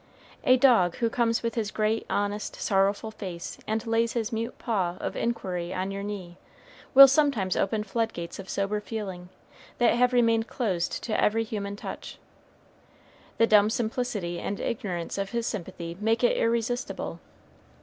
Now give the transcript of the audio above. A dog who comes with his great honest, sorrowful face and lays his mute paw of inquiry on your knee, will sometimes open floodgates of sober feeling, that have remained closed to every human touch; the dumb simplicity and ignorance of his sympathy makes it irresistible.